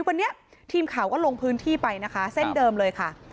วันนี้ทีมข่าวก็ลงพื้นที่ไปนะคะเส้นเดิมเลยค่ะ